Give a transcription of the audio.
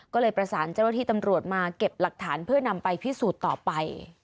ก็เลยประสานเจ้าหน้าที่ตำรวจมาเก็บหลักฐานเพื่อนำไปพิสูจน์ต่อไป